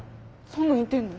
そんなんいてんの？